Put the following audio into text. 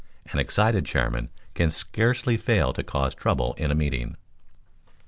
An excited chairman can scarcely fail to cause trouble in a meeting.